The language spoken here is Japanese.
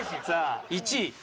さあ１位。